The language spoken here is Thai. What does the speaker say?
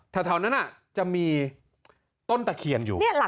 แถวนั้นจะมีต้นตะเคียนอยู่